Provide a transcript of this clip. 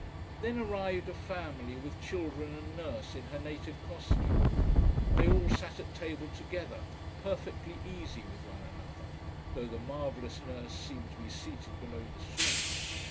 Then arrived a family, with children, and nurse in her native costume. They all sat at table together, perfectly easy with one another, though the marvellous nurse seemed to be seated below the salt.